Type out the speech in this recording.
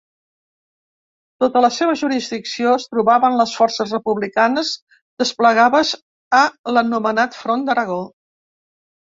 Sota la seva jurisdicció es trobaven les forces republicanes desplegades a l'anomenat Front d'Aragó.